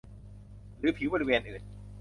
หรือผิวบริเวณอื่น